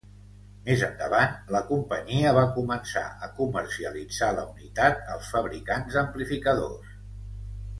Més endavant, la companyia va començar a comercialitzar la unitat als fabricants d'amplificadors.